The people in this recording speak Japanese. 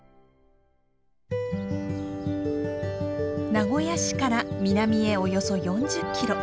名古屋市から南へおよそ４０キロ。